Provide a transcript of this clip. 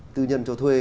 tư nhân cho thuê